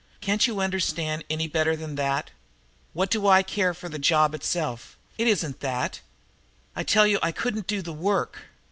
"Can't you understand any better than that? What do I care for the job itself? It isn't that. I tell you I couldn't do the work!